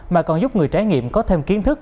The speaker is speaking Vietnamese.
mà còn giúp người trải nghiệm có thêm kiến thức